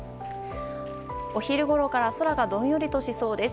お昼ごろから空がどんよりとしそうです。